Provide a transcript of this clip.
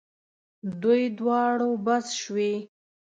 دوی دواړو بس شوې.